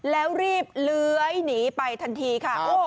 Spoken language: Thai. แล้วรีบเลื้อยหนีไปทันทีค่ะ